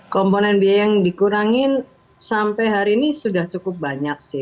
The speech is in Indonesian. komponen biaya yang dikurangin sampai hari ini sudah cukup banyak sih